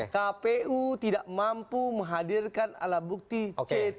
kpu tidak mampu menghadirkan ala bukti c tujuh